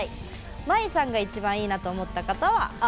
まいさんが一番いいなと思った方は青。